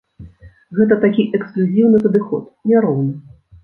Гэта такі эксклюзіўны падыход, няроўны!